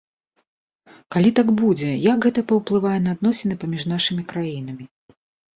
Калі так будзе, як гэта паўплывае на адносіны паміж нашымі краінамі?